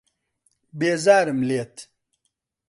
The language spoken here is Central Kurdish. بێزارم لێت.